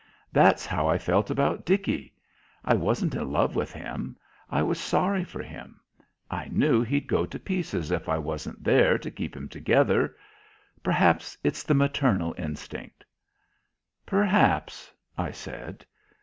That's how I felt about Dickey. I wasn't in love with him. I was sorry for him. I knew he'd go to pieces if I wasn't there to keep him together. Perhaps it's the maternal instinct." "Perhaps," I said.